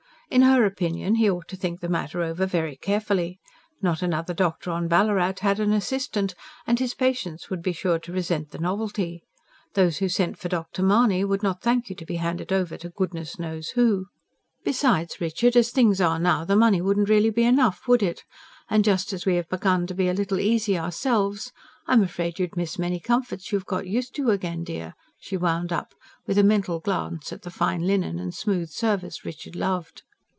In her opinion, he ought to think the matter over very carefully. Not another doctor on Ballarat had an assistant; and his patients would be sure to resent the novelty. Those who sent for Dr. Mahony would not thank you to be handed over to "goodness knows who." "Besides, Richard, as things are now, the money wouldn't really be enough, would it? And just as we have begun to be a little easy ourselves I'm afraid you'd miss many comforts you have got used to again, dear," she wound up, with a mental glance at the fine linen and smooth service Richard loved.